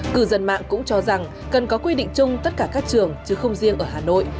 cư dân mạng cũng cho rằng cần có quy định chung tất cả các trường chứ không riêng ở hà nội